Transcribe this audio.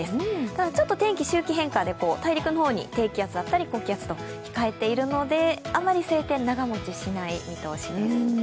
ただ、天気、周期変化で大陸の方に低気圧だったり、高気圧と控えてるのであまり晴天は長持ちしないです。